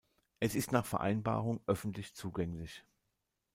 Es ist nach Vereinbarung öffentlich zugänglich.